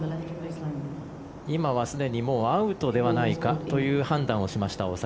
今はすでにもうアウトではないかという判断をしました、大坂。